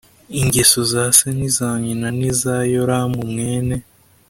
ingeso za se n iza nyina n iza yoramu mwene